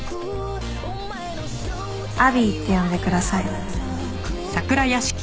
アビーって呼んでください。